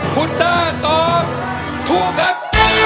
ฟุตเตอร์ตอบถูกครับ